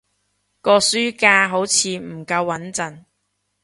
個書架好似唔夠穏陣